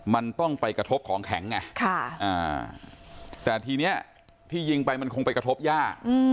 มันต้องไปกระทบของแข็งไงแต่ทีนี้ที่ยิงไปมันคงไปกระทบย่า